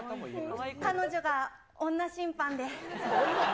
彼女が女審判で。